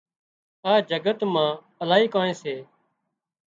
آ جگت مان الاهي ڪانئين سي